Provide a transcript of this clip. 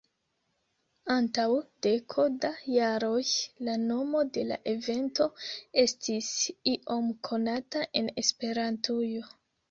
Antaŭ deko da jaroj, la nomo de la evento estis iom konata en Esperantujo.